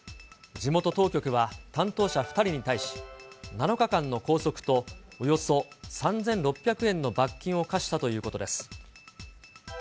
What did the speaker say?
地元当局は担当者２人に対し、７日間の拘束と、およそ３６００円の罰金を科したということです。